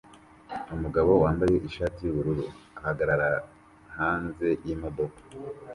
Umugabo wambaye ishati yubururu ahagarara hanze yimodoka